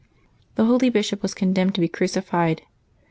The holy bishop was con demned to be crucified.